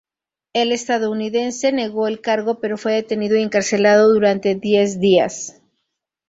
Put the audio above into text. El estadounidense negó el cargo, pero fue detenido y encarcelado durante diez días.